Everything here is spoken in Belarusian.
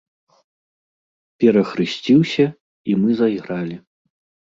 Перахрысціўся, і мы зайгралі.